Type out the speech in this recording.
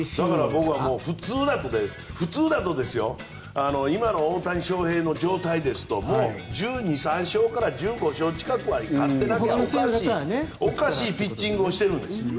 僕は普通だと今の大谷翔平の状態ですと１２１３勝から１５勝ぐらい勝ってなきゃおかしいピッチングをしてるんですよ。